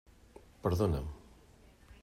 Perdona'm.